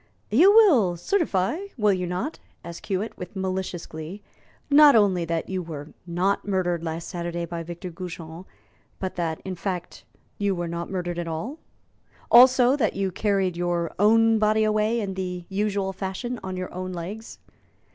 "You will certify, will you not," asked Hewitt, with malicious glee, "not only that you were not murdered last Saturday by Victor Goujon, but that, in fact, you were not murdered at all? Also, that you carried your own body away in the usual fashion, on your own legs."